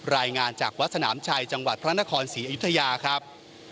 รายงานจากวัดสนามชัยจังหวัดพระนครศรีอยุธยาครับ